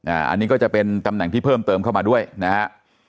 อันนี้ก็จะเป็นตำแหน่งที่เพิ่มเติมเข้ามาด้วยนะฮะ